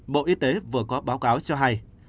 bộ y tế vừa có báo cáo cho hay